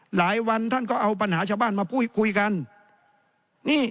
หลายวันท่านก็เอาปัญหาชาวบ้านมาพูดคุยกันนี่